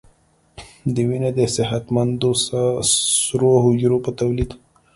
د وینې د صحتمندو سرو حجرو په تولید